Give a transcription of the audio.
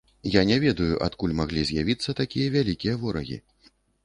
Я не ведаю, адкуль маглі з'явіцца такія вялікія ворагі.